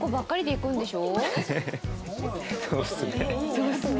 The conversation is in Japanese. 「そうっすね」。